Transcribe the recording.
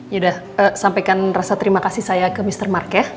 yaudah sampaikan rasa terima kasih saya ke mr marque